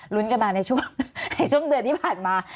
ลุ้นกันมาในช่วงเดือนที่ผ่านมา